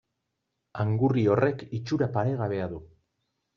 Angurria horrek itxura paregabea du.